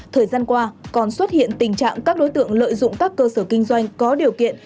thời gian qua còn xuất hiện tình trạng các đối tượng lợi dụng các cơ sở kinh doanh có điều kiện